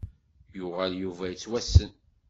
Yuɣal Yuba yettwassen.